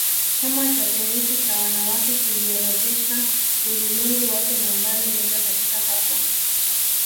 Chama cha Tenisi cha Wanawake kiliorodhesha ulimwengu wake Nambari moja katika hafla